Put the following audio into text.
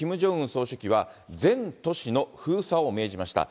総書記は、全都市の封鎖を命じました。